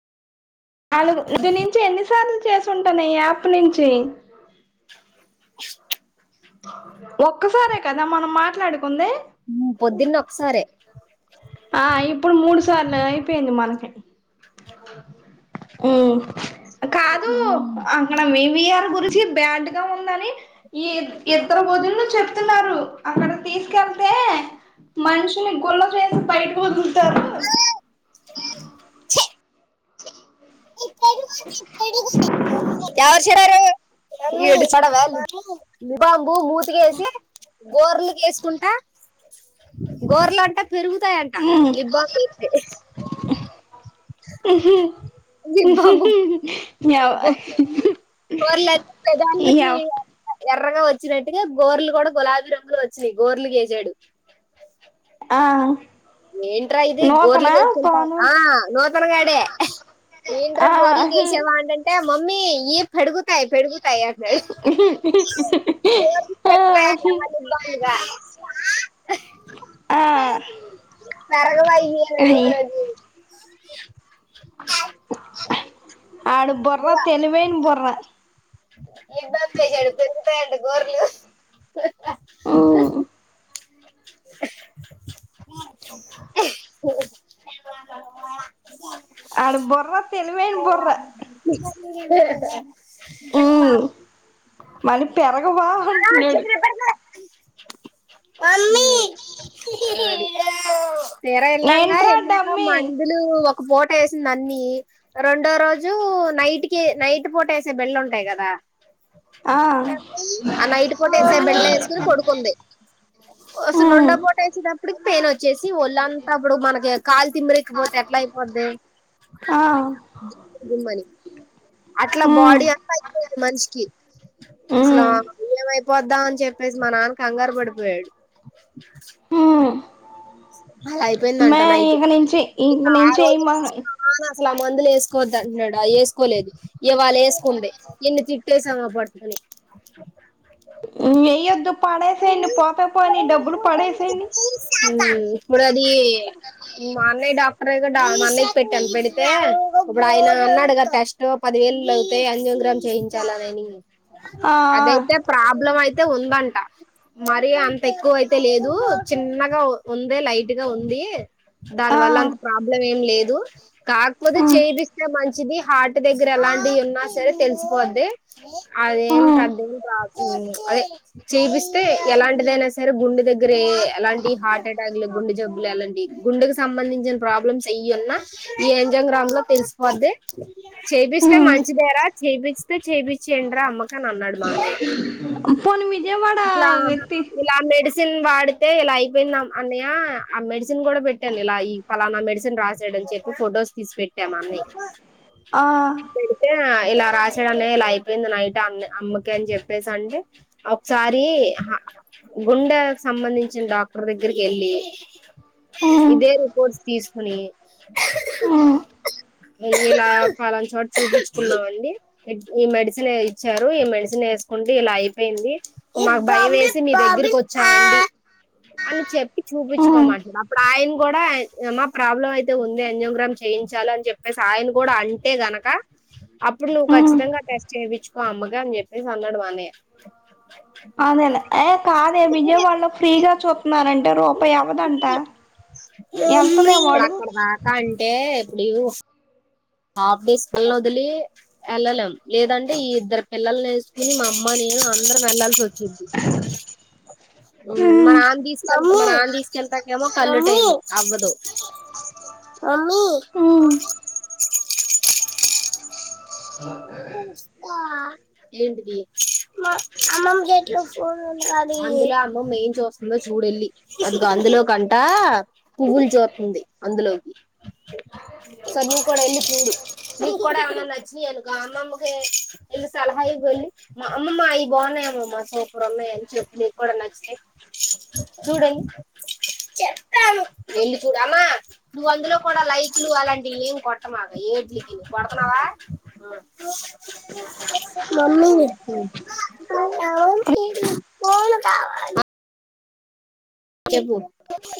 నాలుగు ద నుంచి ఎన్నిసార్లు చేసింటాను ఈ యాప్ నుంచి ఒక్కసారే కదా మనం మాట్లాడుకుంది ఉమ్, పొద్దున్న ఒకసారే ఆ ఇప్పుడు మూడు స అయిపోయింది మనకి ఉ విఆర్ గురించి బ్యాడ్ గా ఉందని ఈ ఇద్దరు వదినలు చెప్తున్నారు అక్కడ తీసుకెళ్తే మనిషిని గుొల్ల చేసి బయటకు వతుంటారు ఆ వర్షడార చడవ నిబాంబు మూతికిేసి బోర్లి చేసుకుంటా గోరలుంటా పెరుగుతాయంట ఇబ్బాతే ఎవ కోర్ల పేదలకి ఎవ ఎర్రగా వచ్చినట్టుగా గోరలు కూడా గులాబీ రంగులు వచ్చినాయి గోరెలు గసాడు ఆ ఏంట్రా ఇది నూతనా గోర్లిగాతుంటా పాను ఆ నూతన గడే నంట్ర ఆ గోర్లుకేసేవా అంటంటే మమ్మీ ఈ పెడుగుతాయి పెడుగుతాయి అన్నాడు ఆ ఇబ్బందిగా ఆ పేరుగవ ఇవ్వి అని అయి అడుగుతున్నాడు చూడు ఆడు బుర తెలివేైన బొ్ర ఇబ్బంపేశాడు పెరిగుతయాట గోర్లు ఆ, ఆడి బుర్ర తెలివైన బుర్ర ఏ మళ్ళీ పెరగవా అంటున్నాడు చ తీరా వెళ్ళంగా ఏంట్రా వెళ్ళాక డమ్మి మందులు పూట వేసింది అన్నిీ రెండో రోజు నైట్ క నైట్ పూట వేసే బిళ్ళ ఉంటాయి కదా ఆ ఆ నైటు పూట వేసే బిళ్ళ వేసుకుని పడుకుంది అసలు ఉమ్ రండపోట వేసేటప్పటికి పెయిన్ వచ్చేసి ఒళ్ళంతప్పుడు మనకి కాలు తిమిరికపోతే ఎట్లా పోతే ఆ అట్లా ఉమ్ బాడీ అంతా అయిపోఇంది మనిషికి అసలు ఉమ్ ఏమైపోదో అని చెప్పేసి మా నాన్న కంగారు పడిపోయాడు ఉమ్ అలా అయిపోయిందంట మే నైట్ ఇక నుంచి ఇ ఇంక ఆ నుంచి రోజు ఏయమాక అసలా మందులు వేసుకోవద్ద అంటన్నాడా వేసుకోలేదు ఇ వాళ వేసుకుంది ఎన్ని తి కేసమ పాడుతుని వేయ్యొద్దు పడేసేయండి పోత పోని డబ్బులు పడేసాయండి యిప్పుడు అది మా అన్నయ్య డా అన్నయ్య కు పెట్టాను పెడితే ఇప్పుడు ఆయన అన్నాడు కదా టెస్ట్ పదివేలు అయితది చేయించాలనిని ఆ అదైతే ప్రాబ్లం అయితే ఉందంట మరి అంత ఎక్కువ అయితే లేదు చిన్నగా ఉంది లైట్ గా ఉంది దాని ఆ ఆ వల్ల అంత ప్రాబ్లం ఏం లేదు కాకపోతే ఉమ్ చేయిపిస్తే మంచి మంచిది హార్ట్ దగ్గర ఎలాంటివి ఉన్నా సరే తెలిసిపోద్ది అదేం ఉమ్ పెద్ద ప్రాబ్లం లేదు అదే చేపిస్తే ఎలాంటిదైనా సరే గుండె దగ్గర ఎలాంటి హార్ట్ అటాక్లు గుండె జబ్బులు ఎలాంటి గుండెకు సంబంధించిన ప్రాబ్లమ్స్ వెయ్యున్నా ఈ అన్జియోగ్రామ్ లో తెలుసు వద్దె చేపిస్తే ఉమ్ మంచిదేర చేపిస్తే చేపించేయండిరా అమ్మ అని అన్నాడు మా అన్నయ్య పోనీ విజయవాడ ఇట్లా ఎత్తి ఇలా మెడిసిన్ వాడితే ఇలా అయిపోయింద అన్నయ ఆ మెడిసిన్ కూడా పెట్టాను ఇలా పలానా మెడిసిన్ రాసి రాశాడని చెప్పి ఫొటోస్ తీసి పెట్టాం అన్నీ ఆ పెడితే ఇలా రాసాడనే ఇలా అయిపోయింది నైట్ అ అమ్మకి అని చెప్పేసి అంటే ఒకసారి గుండె సంబంధించిన డాక్టర్ దగ్గరికి వెళ్ళి ఉమ్ ఇదే రిపోర్ట్స్ తీసుకొని ఉమ్ అలా పాలనా చోట చూపించుకున్నాము అండి ఈ మెడిసిన్ ఇచ్చారు ఈ మెడిసిన్ వేసుకుంటే ఇలా అయిపోయింది మాకు భయం వేసి మీ దగ్గరకి వచ్చామండి అని చెప్పి ఉమ్ చూపించుకోమంటడు అప్పుడు ఆయన కూడా ఏమా ప్రాబ్లం అయితే ఉంది అన్జియోగ్రామ్ చేయించాలి అని చెప్పేసి ఆయన కూడా అంటే గనక అప్పుడు నువ్వు ఉమ్ ఖచ్చితంగా టెస్ట్ చేపిచుకో అమ్మకి అని చెప్పేసి అన్నాడు మా అన్నయ్య అదేలే మరి అంటే రూపాయి అవదంట అక్కడి దాకా అంటే ఎప్పుడి ఆఫీస్ ఇల్లు వదిలి వెళ్ళలేం లేదంటే ఈ ఇద్దరు పిల్లల్ వేసుకుని మా అమ్మని నే అందరు వెళ్లాల్సి వచిద్ది ఉమ్ మా నాన్న తీస్కొని మా నాన్న ఎంతాకమో కల్లుుటే అవ్వదు మమ్మీ ఉమ్ ఏంటిది మా అమ్మమ్ ఎట్లా ఫోన్ ఉంటందిలా అమ్మమ్ ఏం చూస్తుందో చూడెళ్ళి అది అందులో కంట పువ్వులు చోరుతుంది అందులోకి స నవ కూడా ఎందు ప కూడా అ నచ్చిన అను మా అమ్మమ్మ కే సలహా ఇయ్యి వెళ్ళి మా అమ్మమ్మా ఇవి బాగున్నాయమ్మమ్మా సూపర్ ఉన్నాయి అని చెప్పి నీకు కూడా నచ్చితే చూడెళ్ళీ చెప్తాను [unintelligible] అమ్మా నువ్వు అందులో కూడా లైకులు అలాంటివి ఏం కొట్టమాకు ఏడ్లీకి కొడుతనావా మమ్మీ ఉమ్ [unintelligible] ఫోన్ కావాలి చెప్పూ